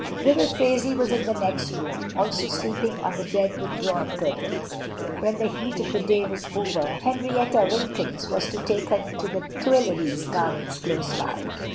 Little Phraisie was in the next room, also sleeping, on the bed with drawn curtains. When the heat of the day was over, Henrietta Wilkins was to take her into the Tuileries gardens close by.